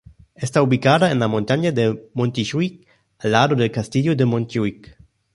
Está ubicada en la montaña de Montjuïc, al lado del Castillo de Montjuïc.